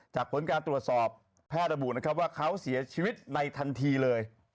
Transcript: ผลการตรวจสอบแพทย์ระบุนะครับว่าเขาเสียชีวิตในทันทีเลย